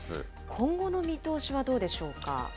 今後の見通しはどうでしょうか。